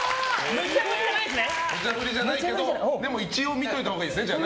むちゃ振りじゃないけど、でも一応見ておいたほうがいいですね。